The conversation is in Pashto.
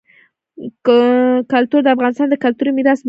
کلتور د افغانستان د کلتوري میراث برخه ده.